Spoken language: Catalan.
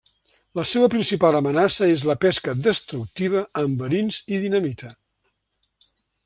La seua principal amenaça és la pesca destructiva amb verins i dinamita.